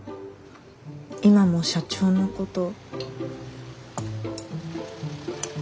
今も社長のこと。